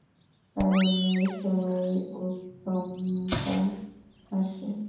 তারুণ্যের সময়েই উদ্যমতা আসে।